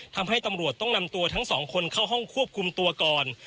ทำให้ตำรวจต้องนำตัวทั้งสองคนเข้าห้องควบคุมตัวก่อน